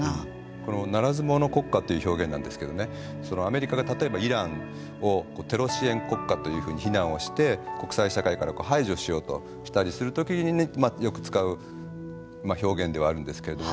このならず者国家という表現なんですけどねアメリカが例えばイランをテロ支援国家というふうに非難をして国際社会から排除しようとしたりする時によく使う表現ではあるんですけれども。